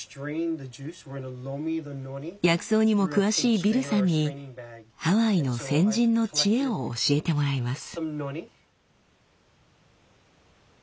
薬草にも詳しいビルさんにハワイの先人の知恵を教えてもらいます。